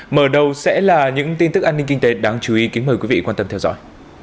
mở đầu sẽ là những tin tức an ninh kinh tế đáng chú ý kính mời quý vị quan tâm theo dõi